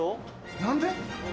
何で？